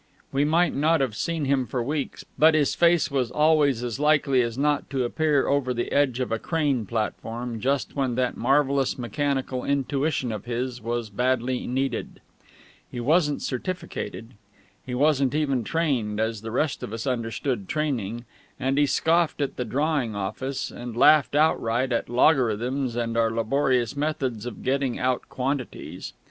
We might not have seen him for weeks, but his face was always as likely as not to appear over the edge of a crane platform just when that marvellous mechanical intuition of his was badly needed. He wasn't certificated. He wasn't even trained, as the rest of us understood training; and he scoffed at the drawing office, and laughed outright at logarithms and our laborious methods of getting out quantities.